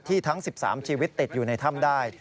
ทั้ง๑๓ชีวิตติดอยู่ในถ้ำได้